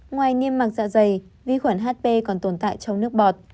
ngoài niêm mạc dạ dày vi khuẩn hp còn tồn tại trong nước bọt